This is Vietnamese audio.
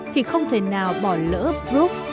thì không thể nào bỏ lỡ bruges